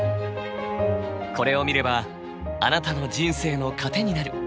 これを見ればあなたの人生の糧になる。